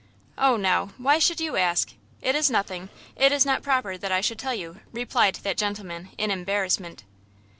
"Oh, now, why should you ask? It is nothing–it is not proper that I should tell you," replied that gentleman, in embarrassment.